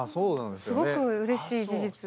すごくうれしい事実。